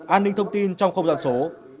an ninh thông tin trong không gian số